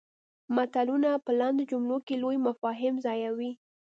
متلونه په لنډو جملو کې لوی مفاهیم ځایوي